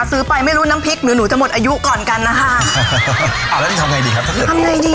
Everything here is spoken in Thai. ซื้อไปไม่รู้น้ำพริกเหนือนือจะหมดอายุก่อนกันนะคะ